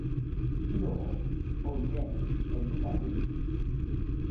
ilo o, o len e lupa lukin.